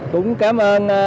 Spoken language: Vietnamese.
cũng cảm ơn các anh